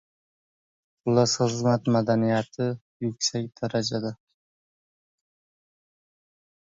Xullas xizmat madaniyati yuksak darajada.